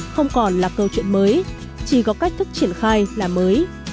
không còn là câu chuyện mới chỉ có cách thức triển khai là mới